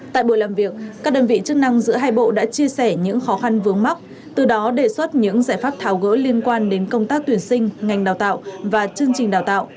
tại buổi làm việc các đơn vị chức năng giữa hai bộ đã chia sẻ những khó khăn vướng mắt từ đó đề xuất những giải pháp tháo gỡ liên quan đến công tác tuyển sinh ngành đào tạo và chương trình đào tạo